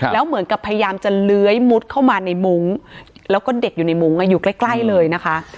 แล้วเหมือนกับพยายามจะเลื้อยมุดเข้ามาในมุ้งแล้วก็เด็กอยู่ในมุ้งอยู่ใกล้เลยนะคะ